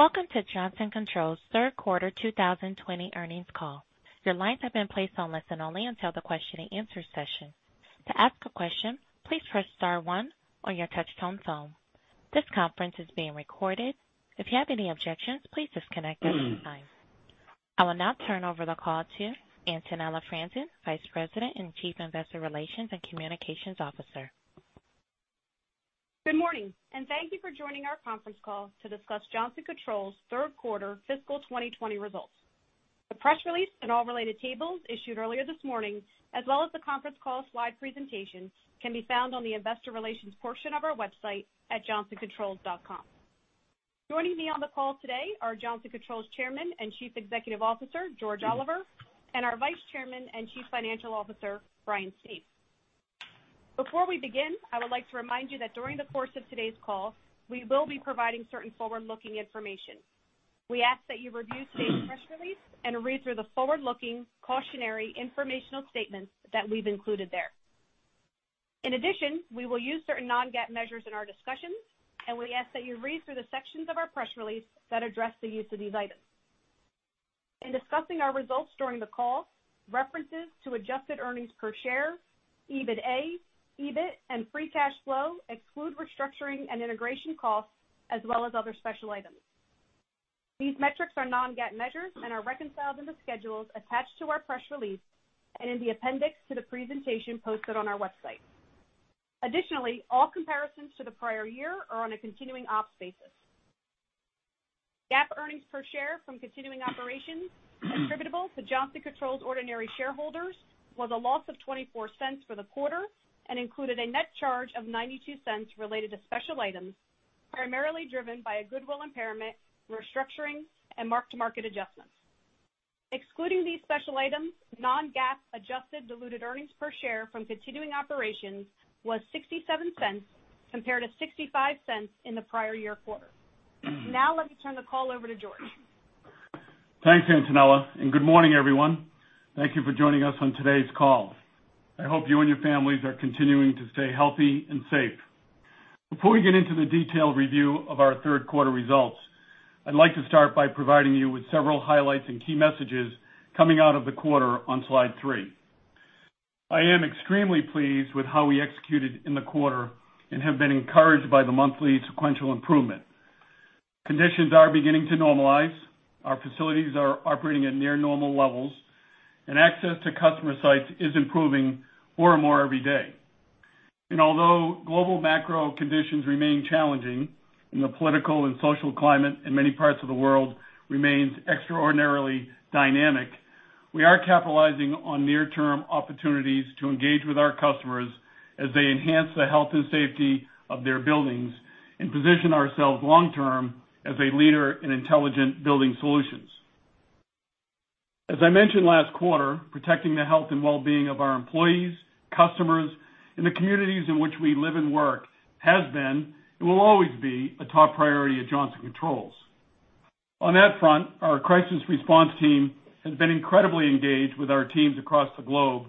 Welcome to Johnson Controls third quarter 2020 earnings call. Your lines have been placed on listen only until the question and answer session. To ask a question, please press star one on your touch-tone phone. This conference is being recorded. If you have any objections, please disconnect at this time. I will now turn over the call to Antonella Franzen, Vice President and Chief Investor Relations and Communications Officer. Good morning, and thank you for joining our conference call to discuss Johnson Controls third quarter fiscal 2020 results. The press release and all related tables issued earlier this morning, as well as the conference call slide presentation, can be found on the investor relations portion of our website at johnsoncontrols.com. Joining me on the call today are Johnson Controls Chairman and Chief Executive Officer, George Oliver, and our Vice Chairman and Chief Financial Officer, Brian Stief. Before we begin, I would like to remind you that during the course of today's call, we will be providing certain forward-looking information. We ask that you review today's press release and read through the forward-looking cautionary informational statements that we've included there. We will use certain non-GAAP measures in our discussions, and we ask that you read through the sections of our press release that address the use of these items. In discussing our results during the call, references to adjusted earnings per share, EBITDA, EBIT, and free cash flow exclude restructuring and integration costs, as well as other special items. These metrics are non-GAAP measures and are reconciled in the schedules attached to our press release and in the appendix to the presentation posted on our website. All comparisons to the prior year are on a continuing ops basis. GAAP earnings per share from continuing operations attributable to Johnson Controls ordinary shareholders was a loss of $0.24 for the quarter and included a net charge of $0.92 related to special items, primarily driven by a goodwill impairment, restructuring, and mark-to-market adjustments. Excluding these special items, non-GAAP adjusted diluted earnings per share from continuing operations was $0.67 compared to $0.65 in the prior year quarter. Now, let me turn the call over to George. Thanks, Antonella. Good morning, everyone. Thank you for joining us on today's call. I hope you and your families are continuing to stay healthy and safe. Before we get into the detailed review of our third quarter results, I'd like to start by providing you with several highlights and key messages coming out of the quarter on slide three. I am extremely pleased with how we executed in the quarter and have been encouraged by the monthly sequential improvement. Conditions are beginning to normalize. Our facilities are operating at near normal levels, and access to customer sites is improving more and more every day. Although global macro conditions remain challenging and the political and social climate in many parts of the world remains extraordinarily dynamic, we are capitalizing on near-term opportunities to engage with our customers as they enhance the health and safety of their buildings and position ourselves long-term as a leader in intelligent building solutions. As I mentioned last quarter, protecting the health and well-being of our employees, customers, and the communities in which we live and work has been, and will always be, a top priority at Johnson Controls. On that front, our crisis response team has been incredibly engaged with our teams across the globe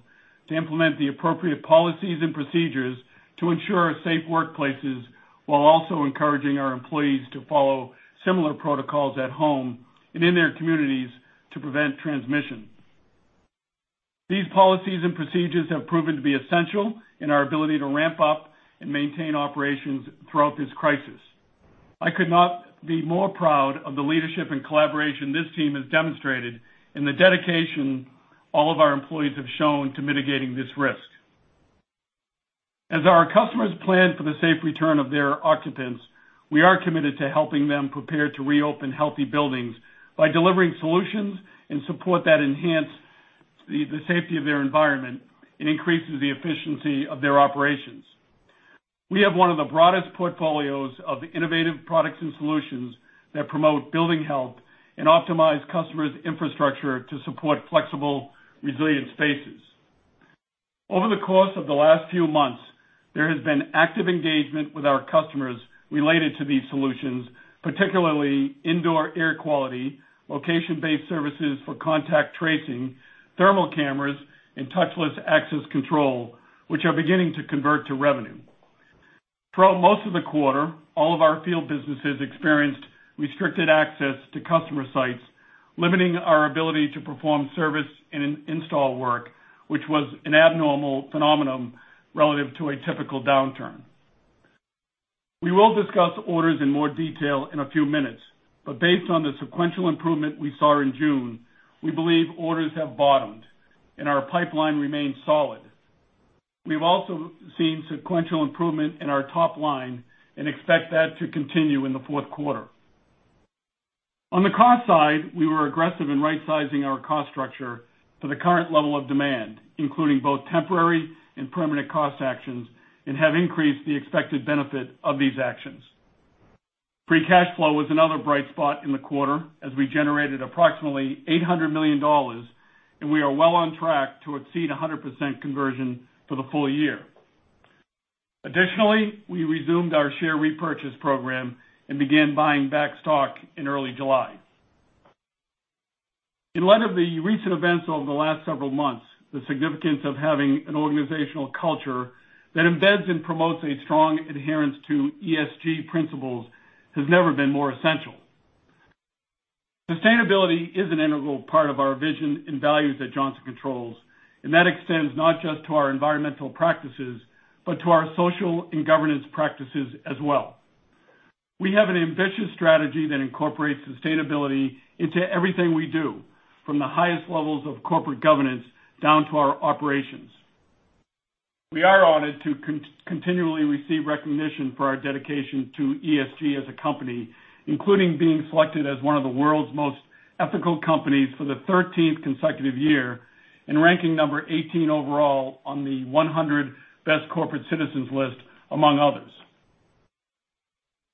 to implement the appropriate policies and procedures to ensure safe workplaces while also encouraging our employees to follow similar protocols at home and in their communities to prevent transmission. These policies and procedures have proven to be essential in our ability to ramp up and maintain operations throughout this crisis. I could not be more proud of the leadership and collaboration this team has demonstrated and the dedication all of our employees have shown to mitigating this risk. As our customers plan for the safe return of their occupants, we are committed to helping them prepare to reopen healthy buildings by delivering solutions and support that enhance the safety of their environment and increases the efficiency of their operations. We have one of the broadest portfolios of innovative products and solutions that promote building health and optimize customers' infrastructure to support flexible, resilient spaces. Over the course of the last few months, there has been active engagement with our customers related to these solutions, particularly indoor air quality, location-based services for contact tracing, thermal cameras, and touchless access control, which are beginning to convert to revenue. For most of the quarter, all of our field businesses experienced restricted access to customer sites, limiting our ability to perform service and install work, which was an abnormal phenomenon relative to a typical downturn. We will discuss orders in more detail in a few minutes, but based on the sequential improvement we saw in June, we believe orders have bottomed, and our pipeline remains solid. We've also seen sequential improvement in our top line and expect that to continue in the fourth quarter. On the cost side, we were aggressive in rightsizing our cost structure for the current level of demand, including both temporary and permanent cost actions, and have increased the expected benefit of these actions. Free cash flow was another bright spot in the quarter as we generated approximately $800 million, and we are well on track to exceed 100% conversion for the full year. Additionally, we resumed our share repurchase program and began buying back stock in early July. In light of the recent events over the last several months, the significance of having an organizational culture that embeds and promotes a strong adherence to ESG principles has never been more essential. Sustainability is an integral part of our vision and values at Johnson Controls, and that extends not just to our environmental practices, but to our social and governance practices as well. We have an ambitious strategy that incorporates sustainability into everything we do, from the highest levels of corporate governance down to our operations. We are honored to continually receive recognition for our dedication to ESG as a company, including being selected as one of the world's most ethical companies for the 13th consecutive year, and ranking number 18 overall on the 100 Best Corporate Citizens list, among others.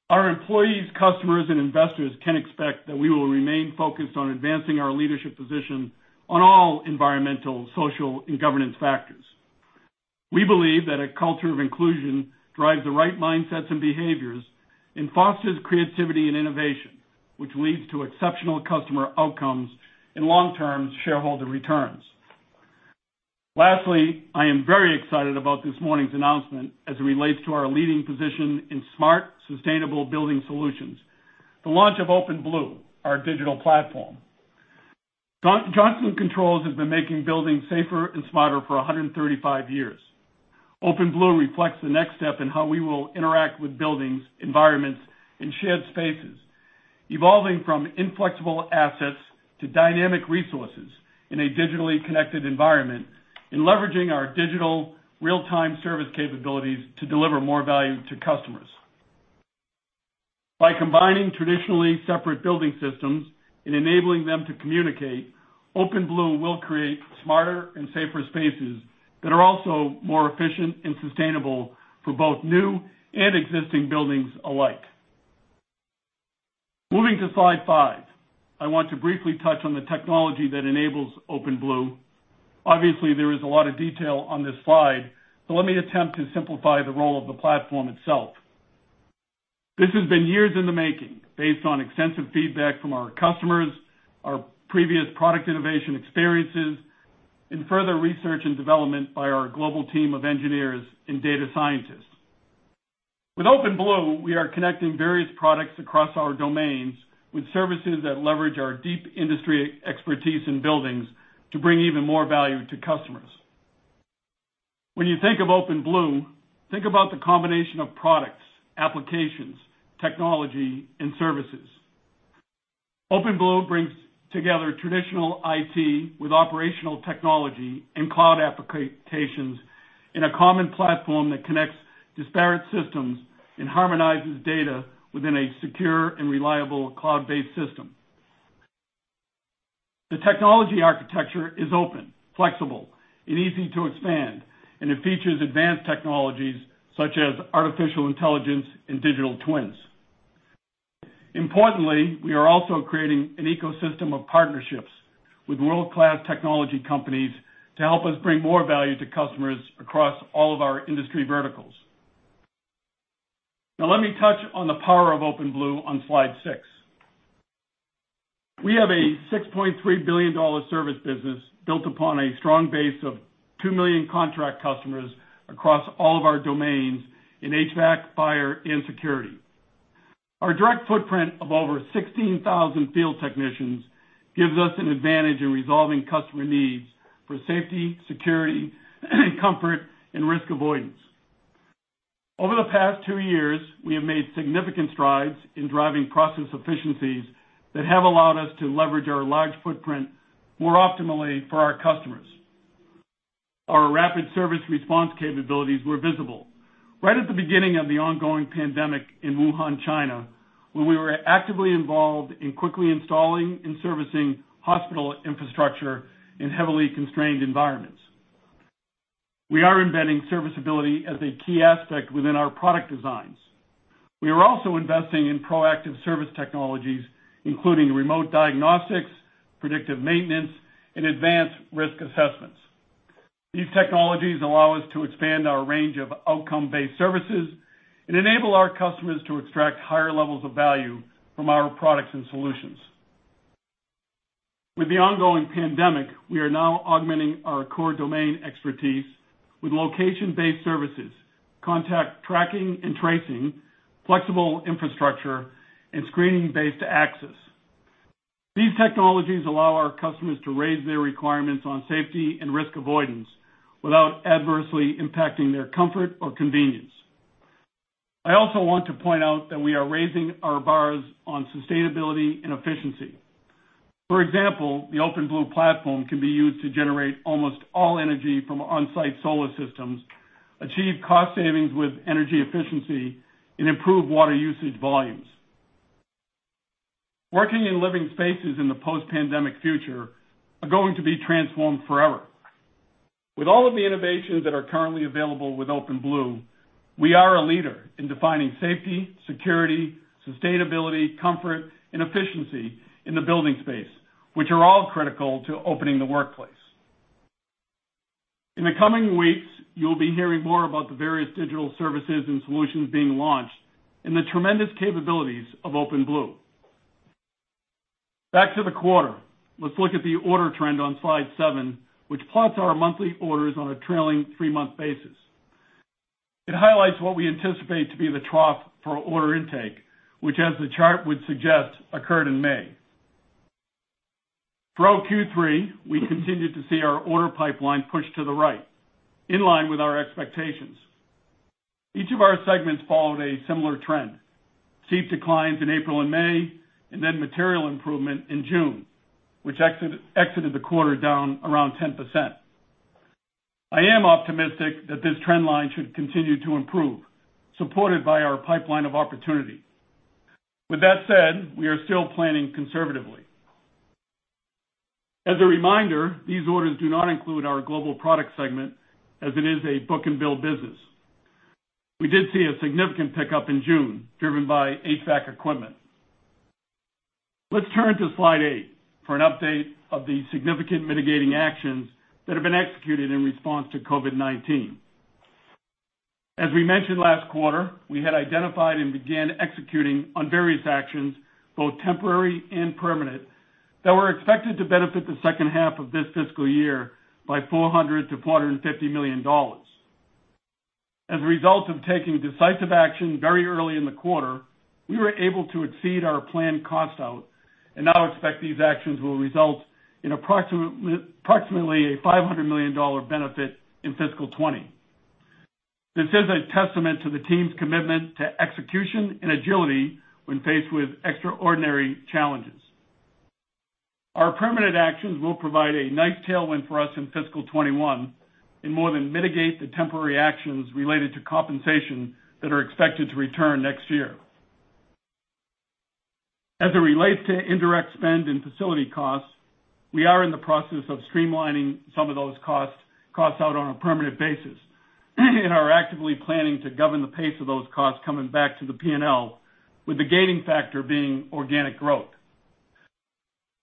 Our employees, customers, and investors can expect that we will remain focused on advancing our leadership position on all environmental, social, and governance factors. We believe that a culture of inclusion drives the right mindsets and behaviors and fosters creativity and innovation, which leads to exceptional customer outcomes and long-term shareholder returns. Lastly, I am very excited about this morning's announcement as it relates to our leading position in smart, sustainable building solutions: the launch of OpenBlue, our digital platform. Johnson Controls has been making buildings safer and smarter for 135 years. OpenBlue reflects the next step in how we will interact with buildings, environments, and shared spaces, evolving from inflexible assets to dynamic resources in a digitally connected environment, leveraging our digital real-time service capabilities to deliver more value to customers. By combining traditionally separate building systems and enabling them to communicate, OpenBlue will create smarter and safer spaces that are also more efficient and sustainable for both new and existing buildings alike. Moving to slide five, I want to briefly touch on the technology that enables OpenBlue. Obviously, there is a lot of detail on this slide, let me attempt to simplify the role of the platform itself. This has been years in the making based on extensive feedback from our customers, our previous product innovation experiences, and further research and development by our global team of engineers and data scientists. With OpenBlue, we are connecting various products across our domains with services that leverage our deep industry expertise in buildings to bring even more value to customers. When you think of OpenBlue, think about the combination of products, applications, technology, and services. OpenBlue brings together traditional IT with operational technology and cloud applications in a common platform that connects disparate systems and harmonizes data within a secure and reliable cloud-based system. The technology architecture is open, flexible, and easy to expand, and it features advanced technologies such as artificial intelligence and digital twins. Importantly, we are also creating an ecosystem of partnerships with world-class technology companies to help us bring more value to customers across all of our industry verticals. Let me touch on the power of OpenBlue on slide six. We have a $6.3 billion service business built upon a strong base of 2 million contract customers across all of our domains in HVAC, fire, and security. Our direct footprint of over 16,000 field technicians gives us an advantage in resolving customer needs for safety, security, comfort, and risk avoidance. Over the past two years, we have made significant strides in driving process efficiencies that have allowed us to leverage our large footprint more optimally for our customers. Our rapid service response capabilities were visible right at the beginning of the ongoing pandemic in Wuhan, China, when we were actively involved in quickly installing and servicing hospital infrastructure in heavily constrained environments. We are embedding serviceability as a key aspect within our product designs. We are also investing in proactive service technologies, including remote diagnostics, predictive maintenance, and advanced risk assessments. These technologies allow us to expand our range of outcome-based services and enable our customers to extract higher levels of value from our products and solutions. With the ongoing pandemic, we are now augmenting our core domain expertise with location-based services, contact tracking and tracing, flexible infrastructure, and screening-based access. These technologies allow our customers to raise their requirements on safety and risk avoidance without adversely impacting their comfort or convenience. I also want to point out that we are raising our bars on sustainability and efficiency. For example, the OpenBlue platform can be used to generate almost all energy from on-site solar systems, achieve cost savings with energy efficiency, and improve water usage volumes. Working and living spaces in the post-pandemic future are going to be transformed forever. With all of the innovations that are currently available with OpenBlue, we are a leader in defining safety, security, sustainability, comfort, and efficiency in the building space, which are all critical to opening the workplace. In the coming weeks, you'll be hearing more about the various digital services and solutions being launched and the tremendous capabilities of OpenBlue. Back to the quarter. Let's look at the order trend on slide seven, which plots our monthly orders on a trailing three-month basis. It highlights what we anticipate to be the trough for order intake, which as the chart would suggest, occurred in May. For our Q3, we continued to see our order pipeline push to the right, in line with our expectations. Each of our segments followed a similar trend. Steep declines in April and May, and then material improvement in June, which exited the quarter down around 10%. I am optimistic that this trend line should continue to improve, supported by our pipeline of opportunities. With that said, we are still planning conservatively. As a reminder, these orders do not include our Global Products segment, as it is a book-and-bill business. We did see a significant pickup in June, driven by HVAC equipment. Let's turn to slide eight for an update of the significant mitigating actions that have been executed in response to COVID-19. As we mentioned last quarter, we had identified and began executing on various actions, both temporary and permanent, that were expected to benefit the second half of this fiscal year by $400 million-$450 million. As a result of taking decisive action very early in the quarter, we were able to exceed our planned cost out and now expect these actions will result in approximately a $500 million benefit in fiscal 2020. This is a testament to the team's commitment to execution and agility when faced with extraordinary challenges. Our permanent actions will provide a nice tailwind for us in fiscal 2021 and more than mitigate the temporary actions related to compensation that are expected to return next year. As it relates to indirect spend and facility costs, we are in the process of streamlining some of those costs out on a permanent basis and are actively planning to govern the pace of those costs coming back to the P&L, with the gating factor being organic growth.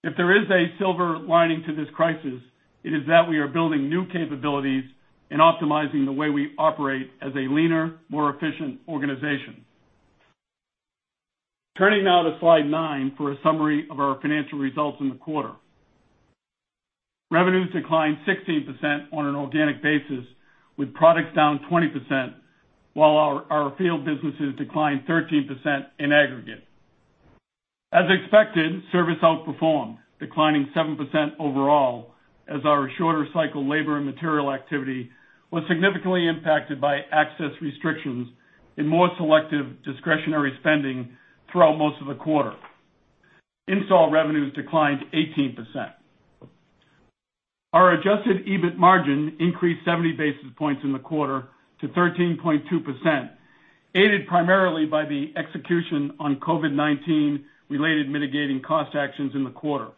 If there is a silver lining to this crisis, it is that we are building new capabilities and optimizing the way we operate as a leaner, more efficient organization. Turning now to slide nine for a summary of our financial results in the quarter. Revenue declined 16% on an organic basis, with products down 20%, while our field businesses declined 13% in aggregate. As expected, service outperformed, declining 7% overall as our shorter cycle labor and material activity was significantly impacted by access restrictions and more selective discretionary spending throughout most of the quarter. Install revenues declined 18%. Our adjusted EBIT margin increased 70 basis points in the quarter to 13.2%, aided primarily by the execution on COVID-19 related mitigating cost actions in the quarter.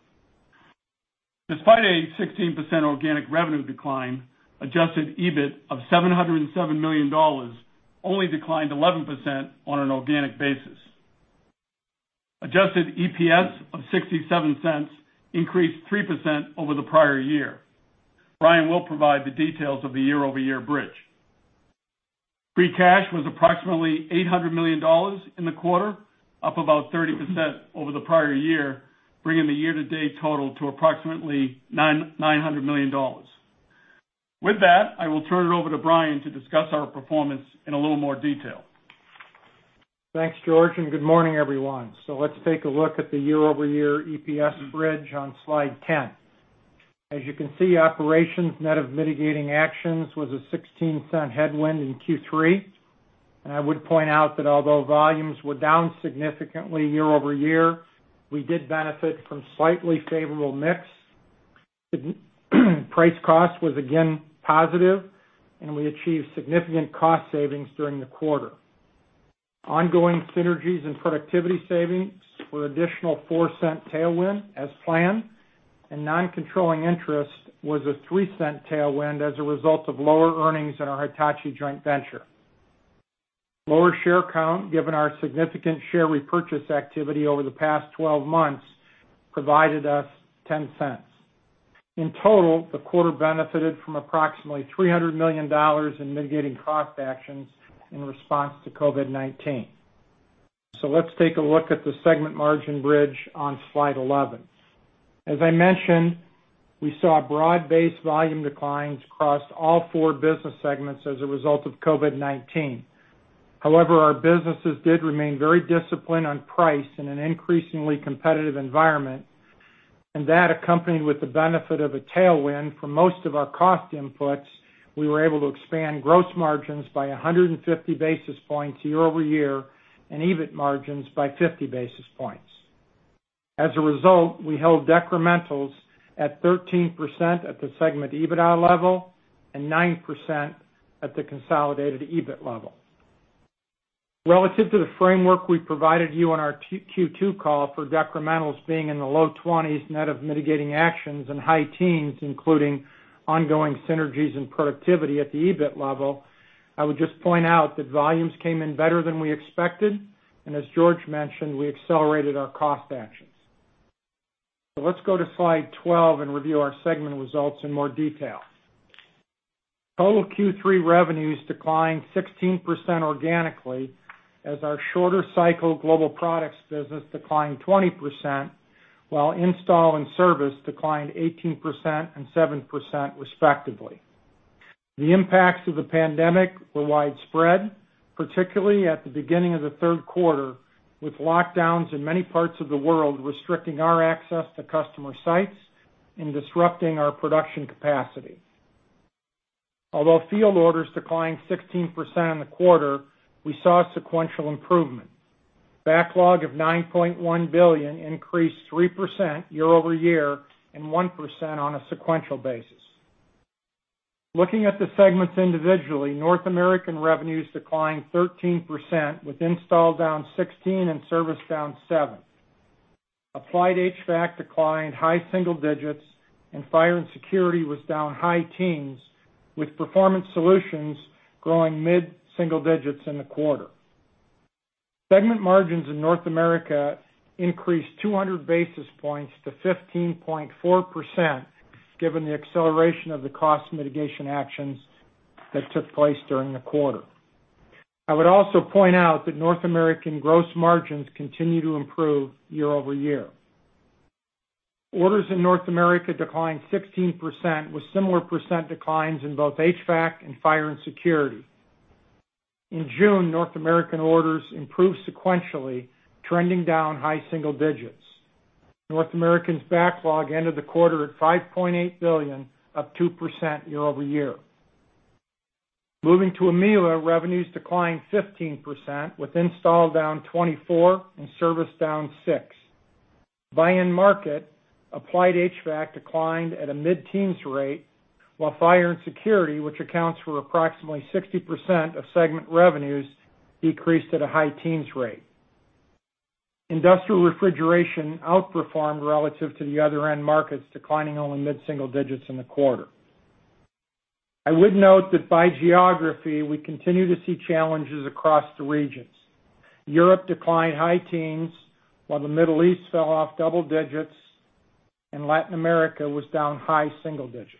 Despite a 16% organic revenue decline, adjusted EBIT of $707 million only declined 11% on an organic basis. Adjusted EPS of $0.67 increased 3% over the prior year. Brian will provide the details of the year-over-year bridge. Free cash was approximately $800 million in the quarter, up about 30% over the prior year, bringing the year-to-date total to approximately $900 million. With that, I will turn it over to Brian to discuss our performance in a little more detail. Thanks, George, and good morning, everyone. Let's take a look at the year-over-year EPS bridge on slide 10. As you can see, operations net of mitigating actions was a $0.16 headwind in Q3. I would point out that although volumes were down significantly year-over-year, we did benefit from slightly favorable mix. Price cost was again positive, and we achieved significant cost savings during the quarter. Ongoing synergies and productivity savings were an additional $0.04 tailwind as planned, and non-controlling interest was a $0.03 tailwind as a result of lower earnings in our Hitachi joint venture. Lower share count, given our significant share repurchase activity over the past 12 months, provided us $0.10. In total, the quarter benefited from approximately $300 million in mitigating cost actions in response to COVID-19. Let's take a look at the segment margin bridge on slide 11. As I mentioned, we saw broad-based volume declines across all four business segments as a result of COVID-19. However, our businesses did remain very disciplined on price in an increasingly competitive environment, and that accompanied with the benefit of a tailwind for most of our cost inputs, we were able to expand gross margins by 150 basis points year-over-year and EBIT margins by 50 basis points. As a result, we held decrementals at 13% at the segment EBITDA level and 9% at the consolidated EBIT level. Relative to the framework we provided you on our Q2 call for decrementals being in the low 20s net of mitigating actions and high teens, including ongoing synergies and productivity at the EBIT level, I would just point out that volumes came in better than we expected, and as George mentioned, we accelerated our cost actions. Let's go to slide 12 and review our segment results in more detail. Total Q3 revenues declined 16% organically as our shorter cycle Global Products business declined 20%, while Install and Service declined 18% and 7% respectively. The impacts of the pandemic were widespread, particularly at the beginning of the third quarter, with lockdowns in many parts of the world restricting our access to customer sites and disrupting our production capacity. Although field orders declined 16% in the quarter, we saw sequential improvement. Backlog of $9.1 billion increased 3% year-over-year and 1% on a sequential basis. Looking at the segments individually, North American revenues declined 13%, with Install down 16% and Service down 7%. Applied HVAC declined high single digits and Fire and Security was down high teens, with Building Solutions growing mid-single digits in the quarter. Segment margins in North America increased 200 basis points to 15.4% given the acceleration of the cost mitigation actions that took place during the quarter. I would also point out that North American gross margins continue to improve year-over-year. Orders in North America declined 16%, with similar percent declines in both HVAC and Fire and Security. In June, North American orders improved sequentially, trending down high single digits. North American's backlog ended the quarter at $5.8 billion, up 2% year-over-year. Moving to EMEIA, revenues declined 15%, with Install down 24% and Service down 6%. By end market, Applied HVAC declined at a mid-teens rate, while Fire and Security, which accounts for approximately 60% of segment revenues, decreased at a high teens rate. Industrial Refrigeration outperformed relative to the other end markets, declining only mid-single digits in the quarter. I would note that by geography, we continue to see challenges across the regions. Europe declined high teens, while the Middle East fell off double digits and Latin America was down high single digits.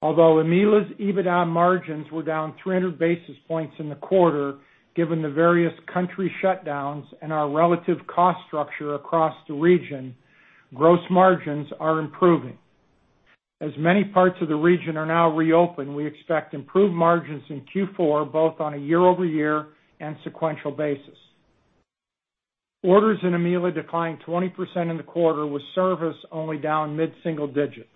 Although EMEIA's EBITDA margins were down 300 basis points in the quarter, given the various country shutdowns and our relative cost structure across the region, gross margins are improving. As many parts of the region are now reopened, we expect improved margins in Q4, both on a year-over-year and sequential basis. Orders in EMEIA declined 20% in the quarter, with Service only down mid-single digits.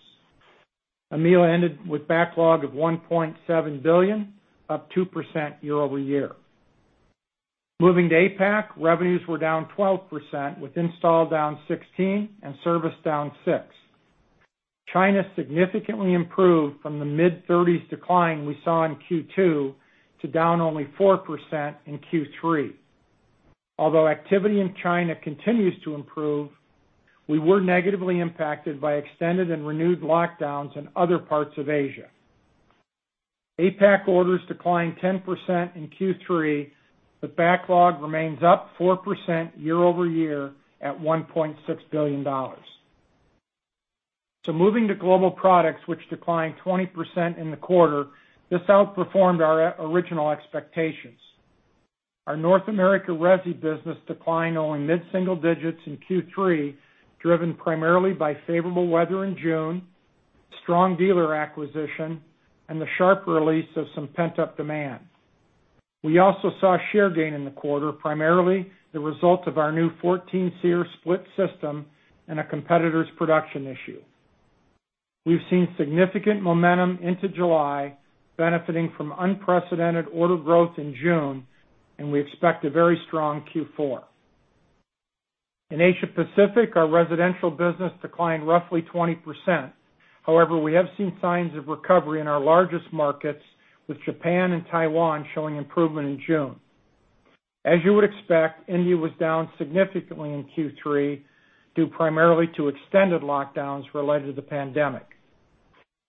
EMEIA ended with backlog of $1.7 billion, up 2% year-over-year. Moving to APAC, revenues were down 12%, with Install down 16% and Service down 6%. China significantly improved from the mid-30s decline we saw in Q2 to down only 4% in Q3. Although activity in China continues to improve, we were negatively impacted by extended and renewed lockdowns in other parts of Asia. APAC orders declined 10% in Q3, Backlog remains up 4% year-over-year at $1.6 billion. Moving to Global Products, which declined 20% in the quarter, this outperformed our original expectations. Our North America resi business declined only mid-single digits in Q3, driven primarily by favorable weather in June, strong dealer acquisition, and the sharp release of some pent-up demand. We also saw share gain in the quarter, primarily the result of our new 14 SEER split system and a competitor's production issue. We've seen significant momentum into July, benefiting from unprecedented order growth in June, and we expect a very strong Q4. In Asia Pacific, our residential business declined roughly 20%. However, we have seen signs of recovery in our largest markets, with Japan and Taiwan showing improvement in June. As you would expect, India was down significantly in Q3, due primarily to extended lockdowns related to the pandemic.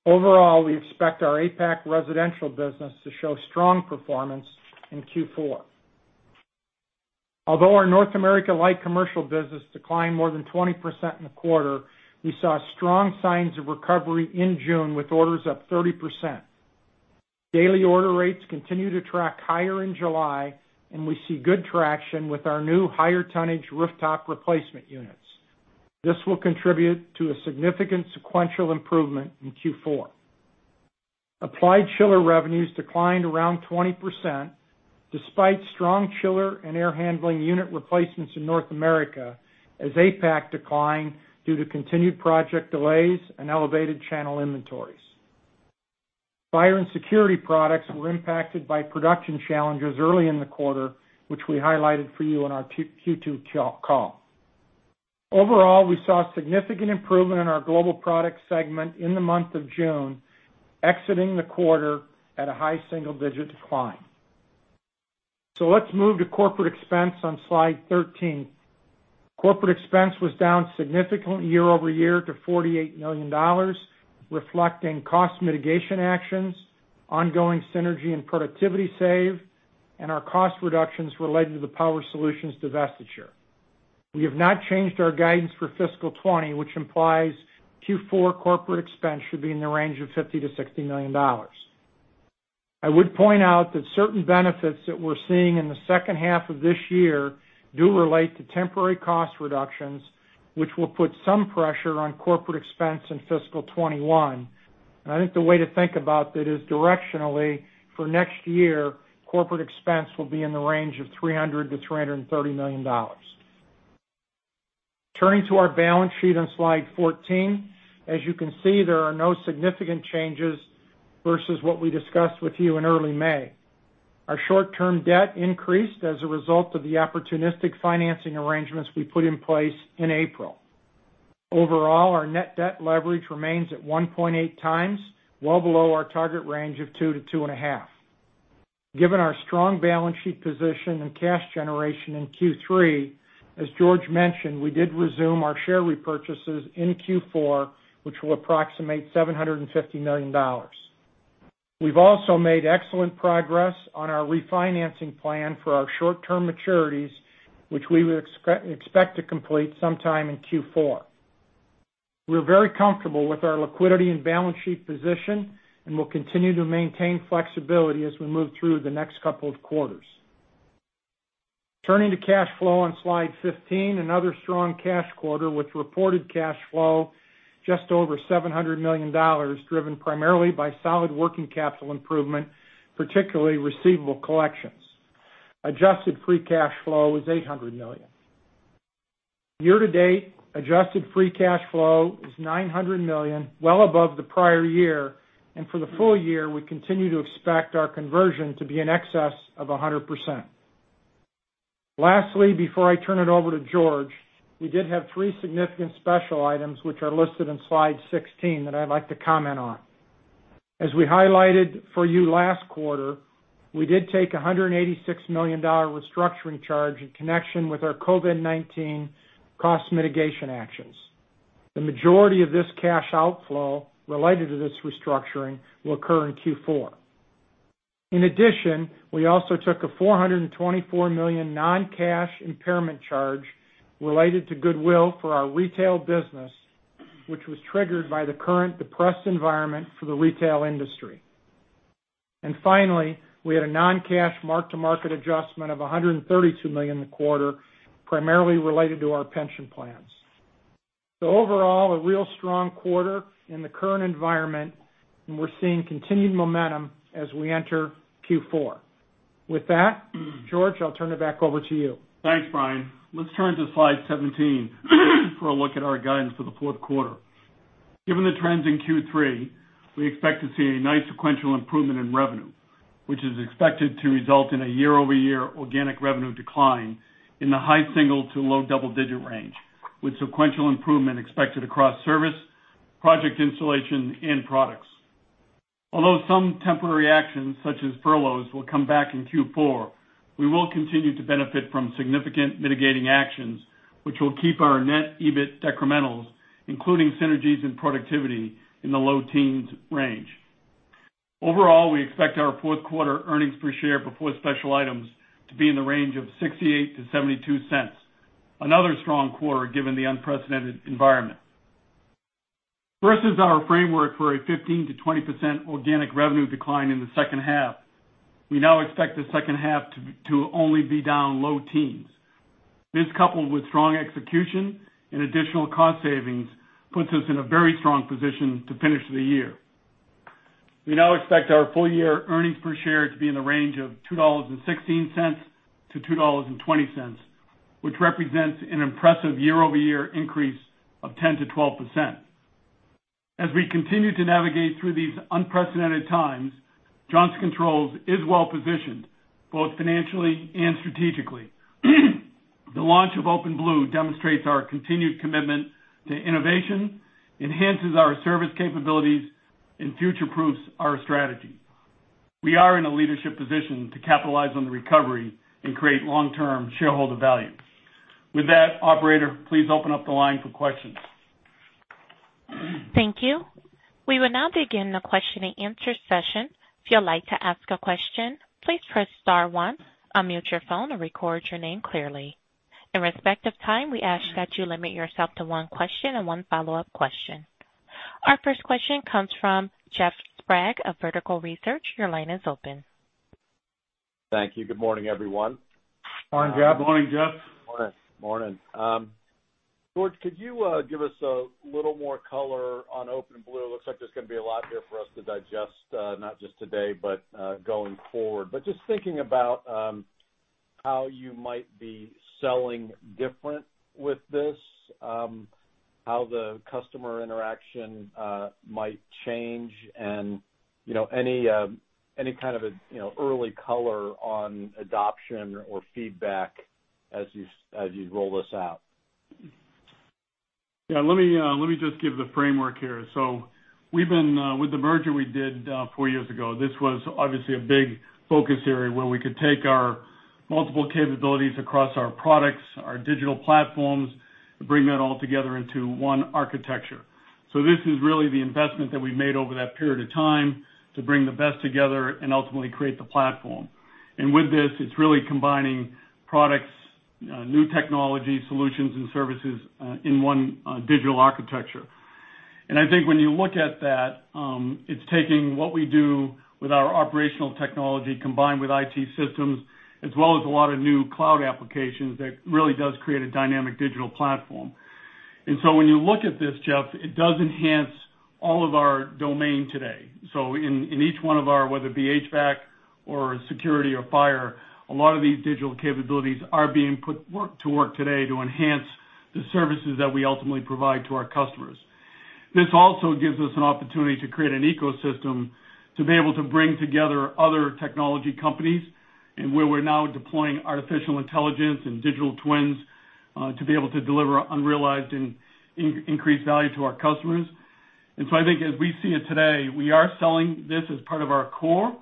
Overall, we expect our APAC residential business to show strong performance in Q4. Although our North America Light Commercial business declined more than 20% in the quarter, we saw strong signs of recovery in June, with orders up 30%. Daily order rates continue to track higher in July, we see good traction with our new, higher tonnage rooftop replacement units. This will contribute to a significant sequential improvement in Q4. Applied Chiller revenues declined around 20%, despite strong chiller and air handling unit replacements in North America, as APAC declined due to continued project delays and elevated channel inventories. Fire and Security products were impacted by production challenges early in the quarter, which we highlighted for you on our Q2 call. Overall, we saw significant improvement in our Global Products segment in the month of June, exiting the quarter at a high single-digit decline. Let's move to corporate expense on slide 13. Corporate expense was down significantly year-over-year to $48 million, reflecting cost mitigation actions, ongoing synergy and productivity saves and our cost reductions related to the Power Solutions divestiture. We have not changed our guidance for fiscal 2020, which implies Q4 corporate expense should be in the range of $50 million-$60 million. I would point out that certain benefits that we're seeing in the second half of this year do relate to temporary cost reductions, which will put some pressure on corporate expense in fiscal 2021. I think the way to think about that is directionally for next year, corporate expense will be in the range of $300 million-$330 million. Turning to our balance sheet on slide 14. As you can see, there are no significant changes versus what we discussed with you in early May. Our short-term debt increased as a result of the opportunistic financing arrangements we put in place in April. Overall, our net debt leverage remains at 1.8x, well below our target range of 2x to 2.5x. Given our strong balance sheet position and cash generation in Q3, as George mentioned, we did resume our share repurchases in Q4, which will approximate $750 million. We've also made excellent progress on our refinancing plan for our short-term maturities, which we would expect to complete sometime in Q4. We're very comfortable with our liquidity and balance sheet position, and we'll continue to maintain flexibility as we move through the next couple of quarters. Turning to cash flow on slide 15, another strong cash quarter with reported cash flow just over $700 million, driven primarily by solid working capital improvement, particularly receivable collections. Adjusted free cash flow is $800 million. Year to date, adjusted free cash flow is $900 million, well above the prior year, and for the full year, we continue to expect our conversion to be in excess of 100%. Lastly, before I turn it over to George, we did have three significant special items which are listed in slide 16 that I'd like to comment on. As we highlighted for you last quarter, we did take a $186 million restructuring charge in connection with our COVID-19 cost mitigation actions. The majority of this cash outflow related to this restructuring will occur in Q4. We also took a $424 million non-cash impairment charge related to goodwill for our retail business, which was triggered by the current depressed environment for the retail industry. Finally, we had a non-cash mark-to-market adjustment of $132 million in the quarter, primarily related to our pension plans. Overall, a real strong quarter in the current environment, and we're seeing continued momentum as we enter Q4. With that, George, I'll turn it back over to you. Thanks, Brian. Let's turn to slide 17 for a look at our guidance for the fourth quarter. Given the trends in Q3, we expect to see a nice sequential improvement in revenue, which is expected to result in a year-over-year organic revenue decline in the high single to low double-digit range, with sequential improvement expected across service, project installation, and products. Some temporary actions, such as furloughs, will come back in Q4, we will continue to benefit from significant mitigating actions, which will keep our net EBIT decremental, including synergies and productivity in the low teens range. We expect our fourth quarter earnings per share before special items to be in the range of $0.68-$0.72. Another strong quarter given the unprecedented environment. Versus our framework for a 15%-20% organic revenue decline in the second half, we now expect the second half to only be down low teens. This, coupled with strong execution and additional cost savings, puts us in a very strong position to finish the year. We now expect our full year earnings per share to be in the range of $2.16-$2.20, which represents an impressive year-over-year increase of 10%-12%. As we continue to navigate through these unprecedented times, Johnson Controls is well positioned, both financially and strategically. The launch of OpenBlue demonstrates our continued commitment to innovation, enhances our service capabilities, and future-proofs our strategy. We are in a leadership position to capitalize on the recovery and create long-term shareholder value. With that, operator, please open up the line for questions. Thank you. We will now begin the question-and-answer session. If you'd like to ask a question, please press star one, unmute your phone and record your name clearly. In respect of time, we ask that you limit yourself to one question and one follow-up question. Our first question comes from Jeff Sprague of Vertical Research Partners. Your line is open. Thank you. Good morning, everyone. Good morning, Jeff. Morning, Jeff. Morning. George, could you give us a little more color on OpenBlue? Looks like there's going to be a lot here for us to digest, not just today, but going forward. Just thinking about how you might be selling different with this, how the customer interaction might change and any kind of early color on adoption or feedback as you roll this out. Yeah, let me just give the framework here. With the merger we did four years ago, this was obviously a big focus area where we could take our multiple capabilities across our products, our digital platforms, to bring that all together into one architecture. This is really the investment that we made over that period of time to bring the best together and ultimately create the platform. With this, it's really combining products, new technology solutions, and services in one digital architecture. I think when you look at that, it's taking what we do with our operational technology combined with IT systems, as well as a lot of new cloud applications that really does create a dynamic digital platform. When you look at this, Jeff, it does enhance all of our domain today. In each one of our, whether it be HVAC or security or fire, a lot of these digital capabilities are being put to work today to enhance the services that we ultimately provide to our customers. This also gives us an opportunity to create an ecosystem to be able to bring together other technology companies, and where we're now deploying artificial intelligence and digital twins, to be able to deliver unrealized and increased value to our customers. I think as we see it today, we are selling this as part of our core.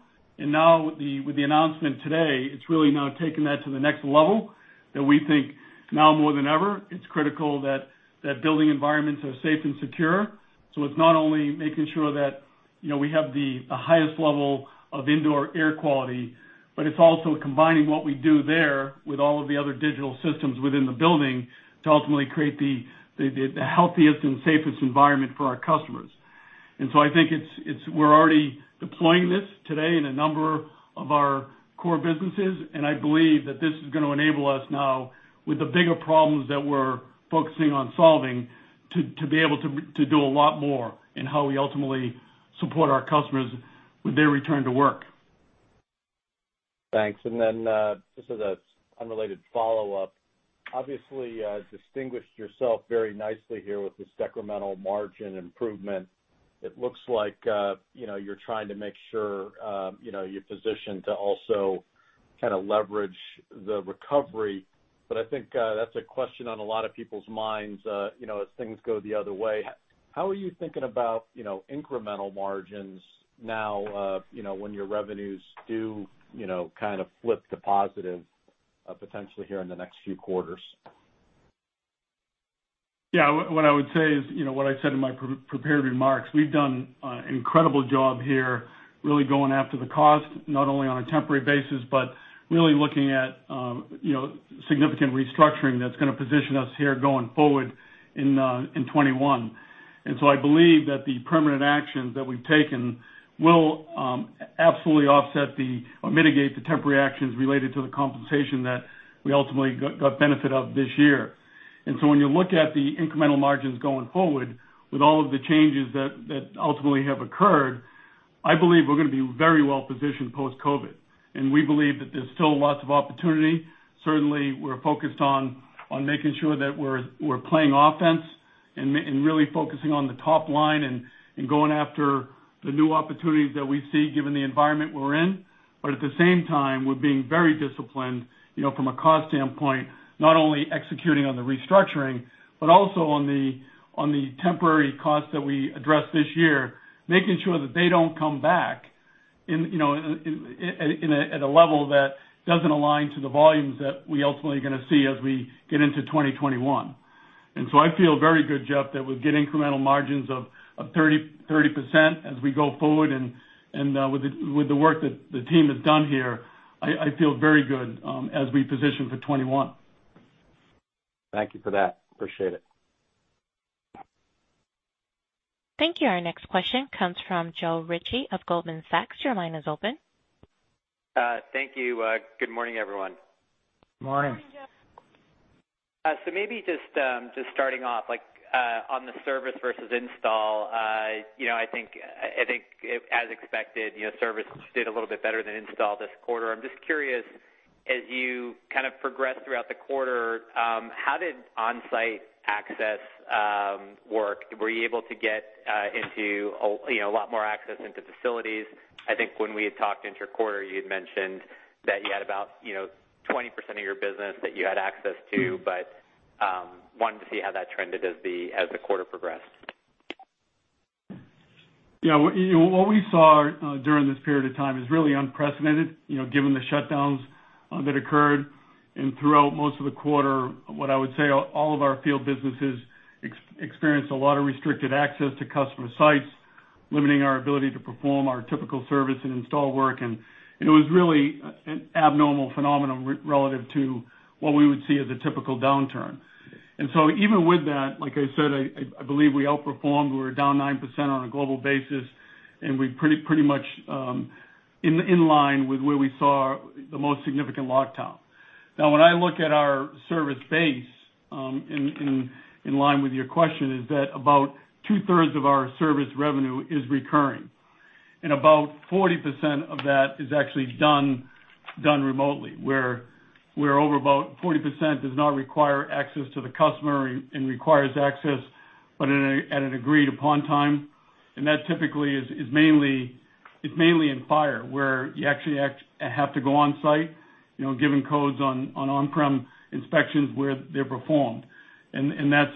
Now with the announcement today, it's really now taking that to the next level, that we think now more than ever, it's critical that building environments are safe and secure. It's not only making sure that we have the highest level of indoor air quality, but it's also combining what we do there with all of the other digital systems within the building to ultimately create the healthiest and safest environment for our customers. I think we're already deploying this today in a number of our core businesses, and I believe that this is going to enable us now with the bigger problems that we're focusing on solving, to be able to do a lot more in how we ultimately support our customers with their return to work. Thanks. Just as an unrelated follow-up, obviously, distinguished yourself very nicely here with this incremental margin improvement. It looks like you're trying to make sure you're positioned to also leverage the recovery. I think that's a question on a lot of people's minds as things go the other way. How are you thinking about incremental margins now, when your revenues do flip to positive, potentially here in the next few quarters? What I would say is, what I said in my prepared remarks, we've done incredible job here, really going after the cost, not only on a temporary basis, but really looking at significant restructuring that's going to position us here going forward in 2021. I believe that the permanent actions that we've taken will absolutely offset or mitigate the temporary actions related to the compensation that we ultimately got benefit of this year. When you look at the incremental margins going forward, with all of the changes that ultimately have occurred, I believe we're going to be very well-positioned post-COVID-19. We believe that there's still lots of opportunity. Certainly, we're focused on making sure that we're playing offense and really focusing on the top line and going after the new opportunities that we see given the environment we're in. At the same time, we're being very disciplined from a cost standpoint, not only executing on the restructuring, but also on the temporary costs that we addressed this year, making sure that they don't come back at a level that doesn't align to the volumes that we ultimately are going to see as we get into 2021. I feel very good, Jeff, that we'll get incremental margins of 30% as we go forward, and with the work that the team has done here, I feel very good as we position for 2021. Thank you for that. Appreciate it. Thank you. Our next question comes from Joe Ritchie of Goldman Sachs. Your line is open. Thank you. Good morning, everyone. Morning. Morning, Joe. Maybe just starting off, on the service versus install, I think as expected, service did a little bit better than install this quarter. I'm just curious, as you progressed throughout the quarter, how did onsite access work? Were you able to get a lot more access into facilities? I think when we had talked inter-quarter, you had mentioned that you had about 20% of your business that you had access to. Wanted to see how that trended as the quarter progressed. What we saw during this period of time is really unprecedented, given the shutdowns that occurred. Throughout most of the quarter, what I would say, all of our field businesses experienced a lot of restricted access to customer sites, limiting our ability to perform our typical service and install work, and it was really an abnormal phenomenon relative to what we would see as a typical downturn. Even with that, like I said, I believe we outperformed. We were down 9% on a global basis, and we're pretty much in line with where we saw the most significant lockdown. Now, when I look at our service base, in line with your question, is that about two-thirds of our service revenue is recurring. About 40% of that is actually done remotely, where over about 40% does not require access to the customer and requires access, but at an agreed upon time. That typically is mainly in fire, where you actually have to go on site, given codes on on-prem inspections where they're performed. That's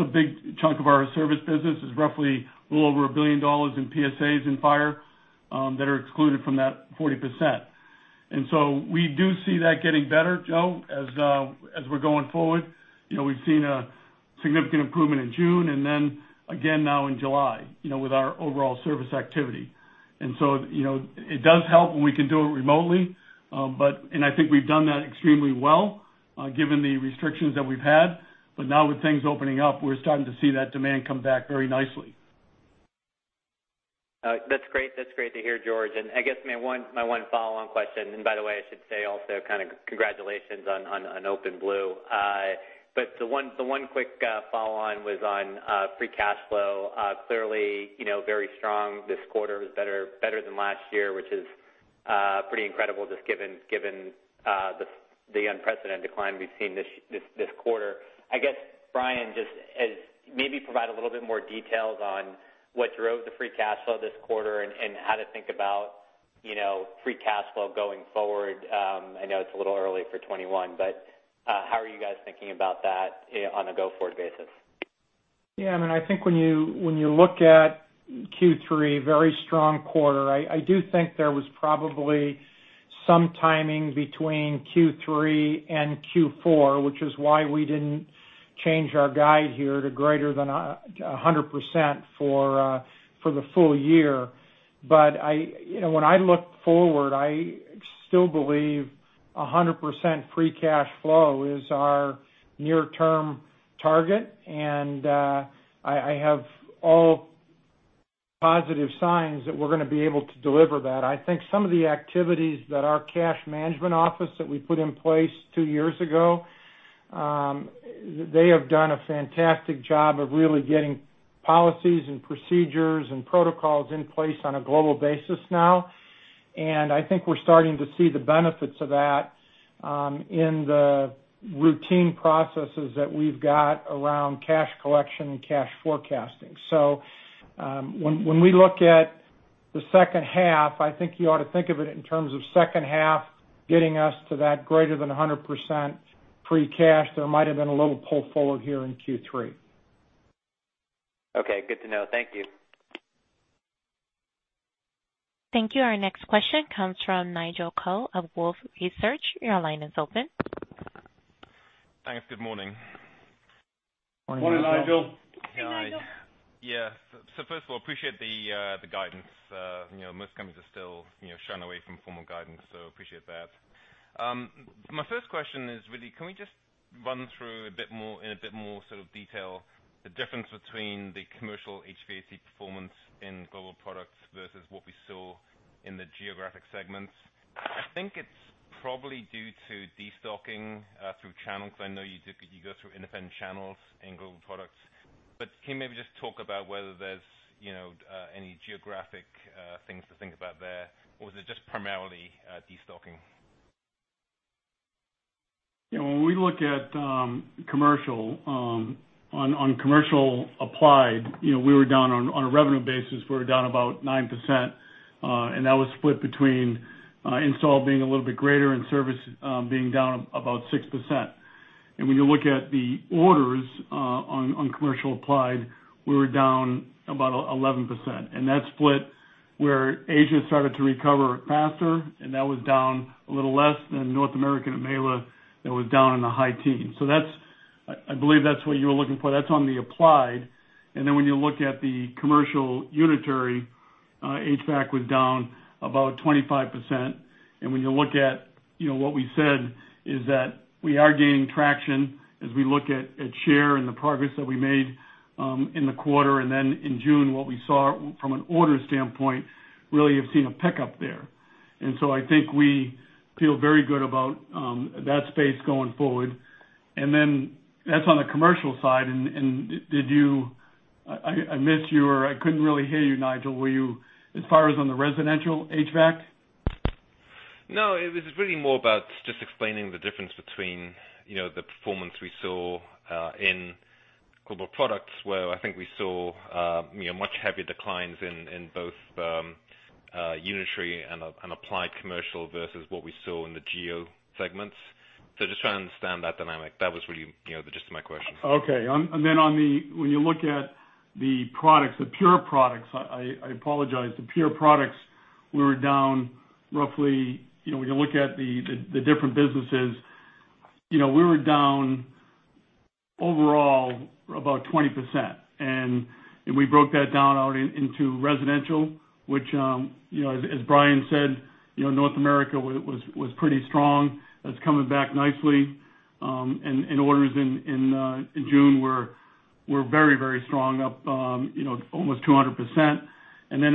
a big chunk of our service business. It's roughly a little over $1 billion in PSAs in fire, that are excluded from that 40%. We do see that getting better, Joe, as we're going forward. We've seen a significant improvement in June, and then again now in July, with our overall service activity. It does help when we can do it remotely, and I think we've done that extremely well given the restrictions that we've had. Now with things opening up, we're starting to see that demand come back very nicely. All right. That's great to hear, George. I guess my one follow-on question. By the way, I should say also kind of congratulations on OpenBlue. The one quick follow-on was on free cash flow. Clearly, very strong this quarter, was better than last year, which is pretty incredible just given the unprecedented decline we've seen this quarter. I guess, Brian, just maybe provide a little bit more details on what drove the free cash flow this quarter and how to think about free cash flow going forward. I know it's a little early for 2021, but how are you guys thinking about that on a go-forward basis? Yeah, I think when you look at Q3, very strong quarter. I do think there was probably some timing between Q3 and Q4, which is why we didn't change our guide here to greater than 100% for the full year. When I look forward, I still believe 100% free cash flow is our near-term target, and I have all positive signs that we're going to be able to deliver that. I think some of the activities that our cash management office that we put in place two years ago, they have done a fantastic job of really getting policies and procedures and protocols in place on a global basis now. I think we're starting to see the benefits of that in the routine processes that we've got around cash collection and cash forecasting. When we look at the second half, I think you ought to think of it in terms of second half getting us to that greater than 100% free cash. There might've been a little pull forward here in Q3. Okay. Good to know. Thank you. Thank you. Our next question comes from Nigel Coe of Wolfe Research. Your line is open. Thanks. Good morning. Morning, Nigel. Morning, Nigel. Morning, Nigel. First of all, appreciate the guidance. Most companies are still shying away from formal guidance, so appreciate that. My first question is really, can we just run through in a bit more sort of detail the difference between the commercial HVAC performance in Global Products versus what we saw in the geographic segments? I think it's probably due to de-stocking through channels, because I know you go through independent channels in Global Products. Can you maybe just talk about whether there's any geographic things to think about there? Or is it just primarily de-stocking? When we look at commercial, on commercial applied, on a revenue basis, we were down about 9%, and that was split between install being a little bit greater and service being down about 6%. When you look at the orders on commercial applied, we were down about 11%. That split where Asia started to recover faster, and that was down a little less than North America and EMEIA, that was down in the high teens. I believe that's what you were looking for. That's on the applied. When you look at the commercial unitary, HVAC was down about 25%. When you look at what we said is that we are gaining traction as we look at share and the progress that we made in the quarter, and then in June, what we saw from an order standpoint, really have seen a pickup there. I think we feel very good about that space going forward. That's on the commercial side. I missed you, or I couldn't really hear you, Nigel. Were you as far as on the residential HVAC? It was really more about just explaining the difference between the performance we saw in Global Products, where I think we saw much heavier declines in both unitary and applied commercial versus what we saw in the geo segments. Just trying to understand that dynamic. That was really the gist of my question. Okay. Then when you look at the pure products, I apologize. The pure products, when you look at the different businesses, we were down overall about 20%. We broke that down out into residential, which as Brian said, North America was pretty strong. That's coming back nicely. Orders in June were very strong, up almost 200%. Then